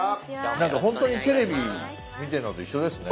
ほんとにテレビ見てんのと一緒ですね。